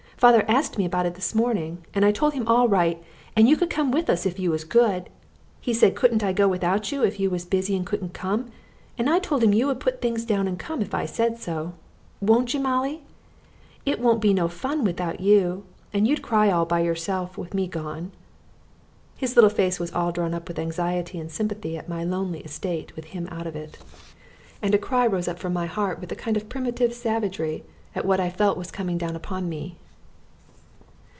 Father ast me about it this morning, and I told him all right, and you could come with us if you was good. He said couldn't I go without you if you was busy and couldn't come, and I told him you would put things down and come if I said so. Won't you, Molly? It won't be no fun without you, and you'd cry all by yourself with me gone." His little face was all drawn up with anxiety and sympathy at my lonely estate with him out of it, and a cry rose up from my heart with a kind of primitive savagery at what I felt was coming down upon me.